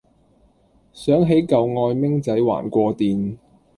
想起舊愛明仔還過電